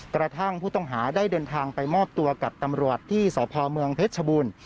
กระทั่งผู้ต้องหาได้เดินทางไปมอบตัวกับตำรวจที่สพเมืองเพชรชบูรณ์